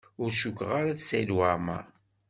Ur cukkeɣ ara d Saɛid Waɛmaṛ.